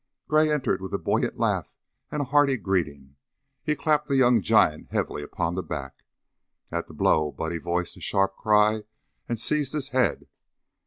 Gray entered with a buoyant laugh and a hearty greeting; he clapped the young giant heavily upon the back. At the blow Buddy voiced a sharp cry and seized his head.